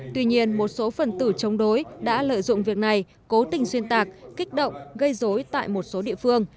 tuy nhiên một số phần tử chống đối đã lợi dụng việc này cố tình xuyên tạc kích động gây dối tại một số địa phương